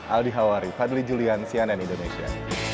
aldi hawari fadli julian cnn indonesia